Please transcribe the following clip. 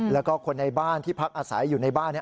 แล้วก็คนในบ้านที่พักอาศัยอยู่ในบ้าน